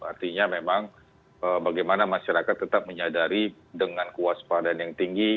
artinya memang bagaimana masyarakat tetap menyadari dengan kewaspadaan yang tinggi